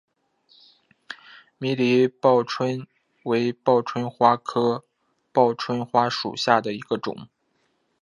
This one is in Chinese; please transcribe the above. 迷离报春为报春花科报春花属下的一个种。